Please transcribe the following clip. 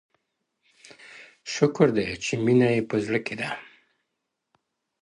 شكر دى چي مينه يې په زړه كـي ده ـ